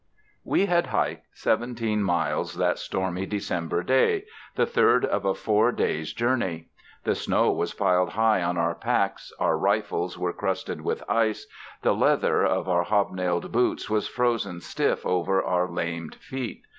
We had hiked seventeen miles that stormy December day the third of a four days' journey. The snow was piled high on our packs, our rifles were crusted with ice, the leather of our hob nailed boots was frozen stiff over our lamed feet.